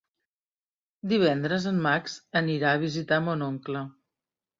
Divendres en Max anirà a visitar mon oncle.